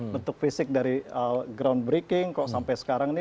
bentuk fisik dari groundbreaking kok sampai sekarang ini